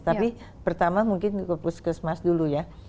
tapi pertama mungkin ke puskesmas dulu ya